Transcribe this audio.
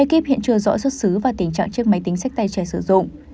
ekip hiện chưa rõ xuất xứ và tình trạng chiếc máy tính sách tay trẻ sử dụng